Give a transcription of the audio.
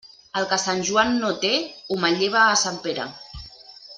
El que Sant Joan no té, ho manlleva a Sant Pere.